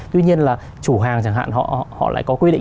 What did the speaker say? tuy nhiên là chủ hàng chẳng hạn họ lại có quy định